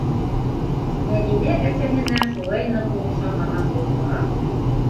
Мәҙинә әсәһенә шулай ныҡ оҡшамаған булһа...